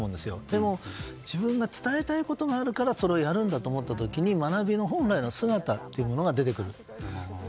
でも、自分が伝えたいことがあるからそれをやるんだと思った時に学びの本来の姿というのが出てくる。